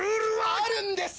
あるんです！